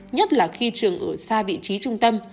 nhất là khi trường ở xa vị trí trung tâm